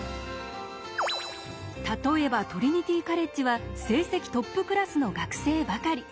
例えばトリニティ・カレッジは成績トップクラスの学生ばかり。